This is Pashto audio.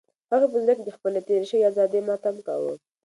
هغې په زړه کې د خپلې تېرې شوې ازادۍ ماتم کاوه.